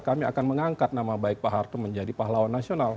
kami akan mengangkat nama baik pak harto menjadi pahlawan nasional